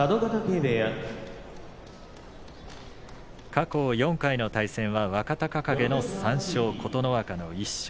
過去４回の対戦は若隆景の３勝琴ノ若の１勝。